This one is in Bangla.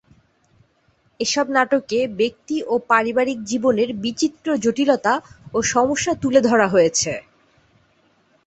এসব নাটকে ব্যক্তি ও পারিবারিক জীবনের বিচিত্র জটিলতা ও সমস্যা তুলে ধরা হয়েছে।